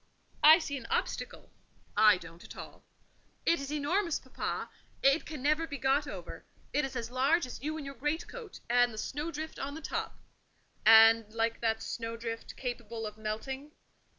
"I see an obstacle." "I don't at all." "It is enormous, papa; it can never be got over; it is as large as you in your greatcoat, and the snowdrift on the top." "And, like that snowdrift, capable of melting?"